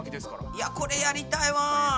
いやこれやりたいわ。